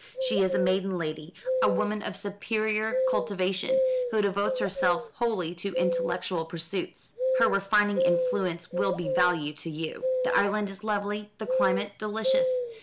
She is a maiden lady, a woman of superior cultivation, who devotes herself wholly to intellectual pursuits. Her refining influence will be valuable to you. The island is lovely, the climate delicious.